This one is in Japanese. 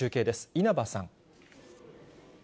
稲葉さん。